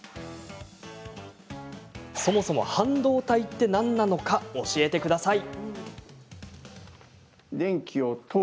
そもそも半導体って何なのか教えてください。